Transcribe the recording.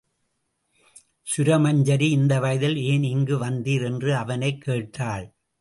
சுரமஞ்சரி இந்த வயதில் ஏன் இங்கு வந்தீர்? என்று அவனைக் கேட்டாள்.